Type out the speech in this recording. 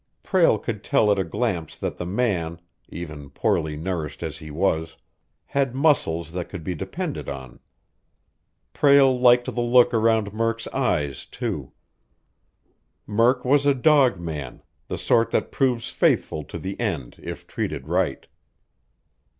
Prale could tell at a glance that the man, even poorly nourished as he was, had muscles that could be depended on. Prale liked the look around Murk's eyes, too. Murk was a dog man, the sort that proves faithful to the end if treated right.